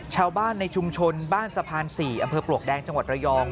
ชาวบ้านในชุมชนบ้านสะพาน๔อำเภอปลวกแดงจังหวัดระยอง